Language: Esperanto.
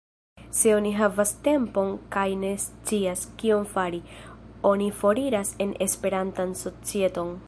Se oni havas tempon kaj ne scias, kion fari, oni foriras en Esperantan societon.